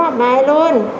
có học bài luôn